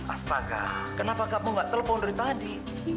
astaga kenapa kamu gak telpon dari tadi